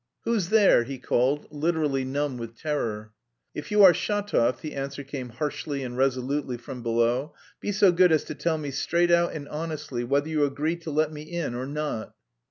"Who's there?" he called, literally numb with terror. "If you are Shatov," the answer came harshly and resolutely from below, "be so good as to tell me straight out and honestly whether you agree to let me in or not?"